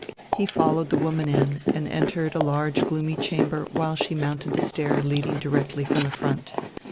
He followed the woman in, and entered a large gloomy chamber while she mounted the stair leading directly from the front.